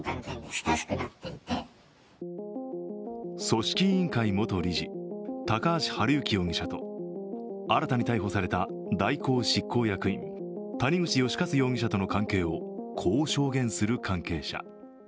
組織委員会元理事・高橋治之容疑者と新たに逮捕された大広執行役員、谷口義一容疑者との関係をこう証言する関係者。